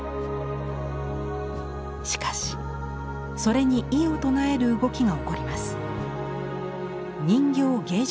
しかしそれに異を唱える動きが起こります。